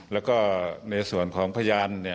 และในส่วนของพญาน